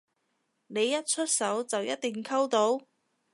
你一出手就一定溝到？